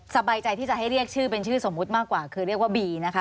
สบายใจที่จะให้เรียกชื่อเป็นชื่อสมมุติมากกว่าคือเรียกว่าบีนะคะ